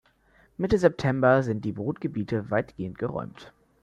Mitte September sind die Brutgebiete weitgehend geräumt.